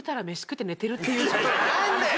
何で？